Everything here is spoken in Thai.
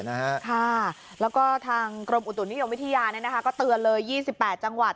แล้วก็ทางกรมอุตุนิยมวิทยาก็เตือนเลย๒๘จังหวัด